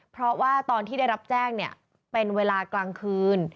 เพราะว่าตอนที่ได้รับแจ้งเนี่ยเป็นเวลากลางคืน